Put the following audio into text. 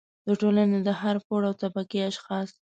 د ټولنې د هر پوړ او طبقې اشخاص